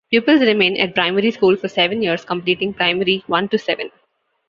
Pupils remain at primary school for seven years completing Primary One to Seven.